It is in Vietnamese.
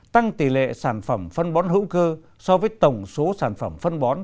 tăng tỷ lệ sản phẩm phân bón hữu cơ so với tổng số sản phẩm phân bón